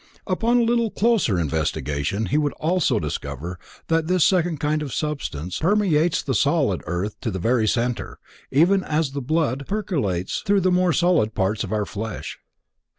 Upon a little closer investigation he would also discover that this second kind of substance permeates the solid earth to the very center, even as the blood percolates through the more solid parts of our flesh.